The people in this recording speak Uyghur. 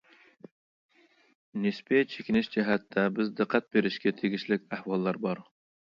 نىسپىي چېكىنىش جەھەتتە بىز دىققەت بېرىشكە تېگىشلىك ئەھۋاللار بار.